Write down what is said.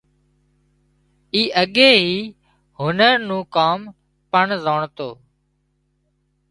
اي اڳي هنر نُون ڪام پڻ زانڻتو